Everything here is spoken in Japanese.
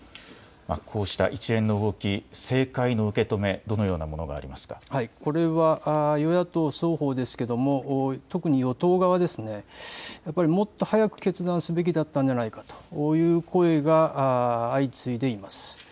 こうした一連の動き、政界の受け止め、どのようなものがありこれは、与野党双方ですけども、特に与党側ですね、やっぱり、もっと早く決断すべきだったんじゃないかという声が相次いでいます。